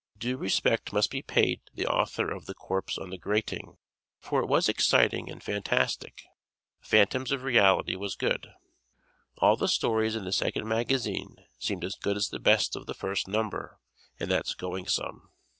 Due respect must be paid the author of "The Corpse on the Grating," for it was exciting and fantastic. "Phantoms of Reality" was good. All the stories in the second magazine seemed as good as the best of the first number, and that's going some.